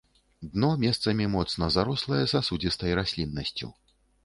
Дно месцамі моцна зарослае сасудзістай расліннасцю.